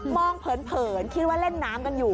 เผินคิดว่าเล่นน้ำกันอยู่